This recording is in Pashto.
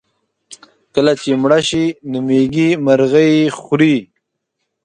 کله چې مړه شي نو مېږي مرغۍ خوري.